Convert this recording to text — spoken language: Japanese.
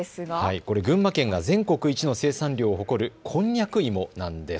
これ群馬県が全国一の生産量を誇る、こんにゃく芋なんです。